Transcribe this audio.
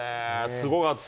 すごかった。